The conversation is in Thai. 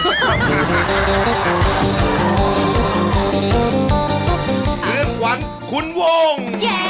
เลือกหวังคุณวง